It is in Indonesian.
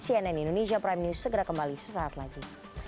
cnn indonesia prime news segera kembali sesaat lagi